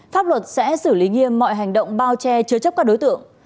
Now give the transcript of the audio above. pháp luật sẽ xử lý nghiêm mọi hành động bao che chứa chấp các đối tượng